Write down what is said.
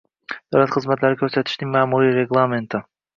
davlat xizmatlari ko‘rsatishning ma’muriy reglamenti”.